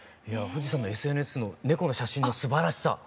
いやあ藤さんのＳＮＳの猫の写真のすばらしさ。